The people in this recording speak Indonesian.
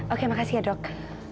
oke makasih ya dok